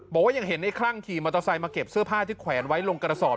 บอกว่ายังเห็นในคลั่งขี่มอเตอร์ไซค์มาเก็บเสื้อผ้าที่แขวนไว้ลงกระสอบ